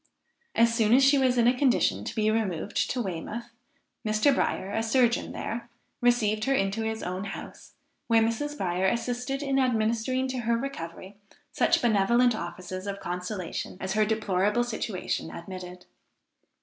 As soon as she was in a condition to be removed to Weymouth, Mr. Bryer, a surgeon there, received her into his own house, where Mrs. Bryer assisted in administering to her recovery such benevolent offices of consolation as her deplorable situation admitted.